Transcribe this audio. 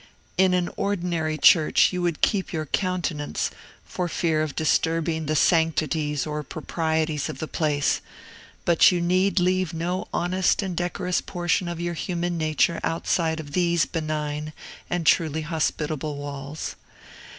In an ordinary church you would keep your countenance for fear of disturbing the sanctities or proprieties of the place; but you need leave no honest and decorous portion of your human nature outside of these benign and truly hospitable walls.